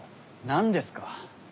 何ですか？